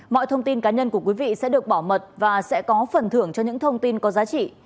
mọi thông tin cá nhân của quý vị sẽ được bảo mật và sẽ có phần thưởng cho những thông tin có giá trị